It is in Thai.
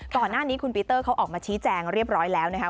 ก่อนหน้านี้คุณปีเตอร์เขาออกมาชี้แจงเรียบร้อยแล้วนะคะ